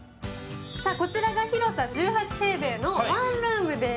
こちらが広さ１８平米のワンルームです。